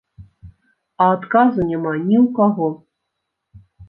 А адказу няма ні ў каго.